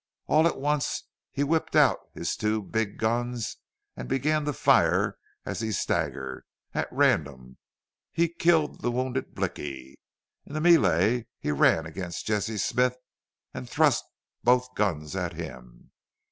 All at once he whipped out his two big guns and began to fire as he staggered at random. He killed the wounded Blicky. In the melee he ran against Jesse Smith and thrust both guns at him.